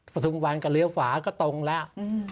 ทุมวันก็เลี้ยวฝาก็ตรงแล้ว